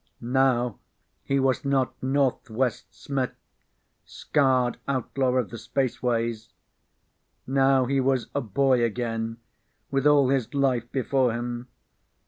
Now he was not Northwest Smith, scarred outlaw of the spaceways. Now he was a boy again with all his life before him.